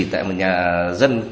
tại một nhà dân